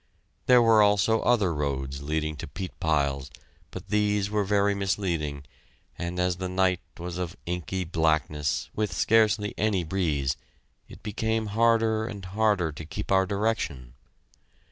There were also other roads leading to peat piles, but these were very misleading, and as the night was of inky blackness, with scarcely any breeze, it became harder and harder to keep our direction.